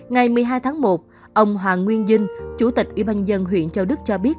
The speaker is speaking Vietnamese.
ngày một mươi hai tháng một ông hoàng nguyên dinh chủ tịch ủy ban nhân dân huyện châu đức cho biết